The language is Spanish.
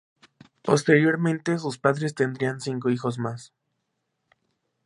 Posteriormente sus padres tendrían cinco hijos más.